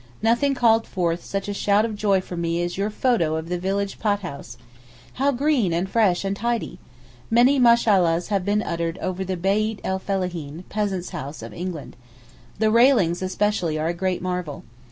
Nothing called forth such a shout of joy from me as your photo of the village pothouse. How green and fresh and tidy! Many Mashallah's have been uttered over the beyt el fellaheen (peasant's house) of England. The railings, especially, are a great marvel.